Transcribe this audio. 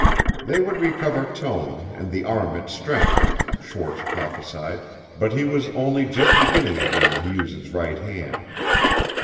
They would recover tone, and the arm its strength, Schwarz prophesied, but he was only just beginning again to use his right hand.